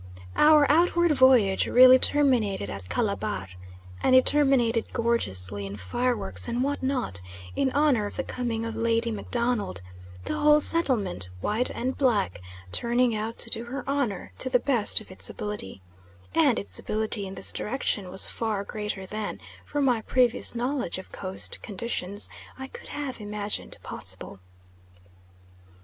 Our outward voyage really terminated at Calabar, and it terminated gorgeously in fireworks and what not, in honour of the coming of Lady MacDonald, the whole settlement, white and black, turning out to do her honour to the best of its ability; and its ability in this direction was far greater than, from my previous knowledge of Coast conditions, I could have imagined possible.